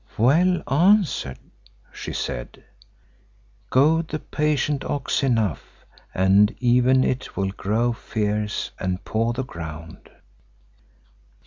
"Well answered," she said. "Goad the patient ox enough and even it will grow fierce and paw the ground.